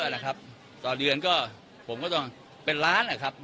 โอ้มันเยอะนะครับต่อเดือนก็ผมก็ต้องเป็นล้านนะครับ